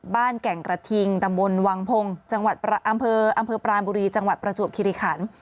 บ้านแก่งกระทิงตำบลวังพงศ์อำเภอปราณบุรีจังหวัดประจวบคิริขันศ์